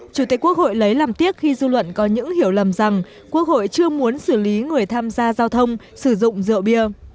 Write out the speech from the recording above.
chủ tịch quốc hội lấy làm tiếc khi dư luận có những hiểu lầm rằng quốc hội chưa muốn xử lý người tham gia giao thông sử dụng rượu bia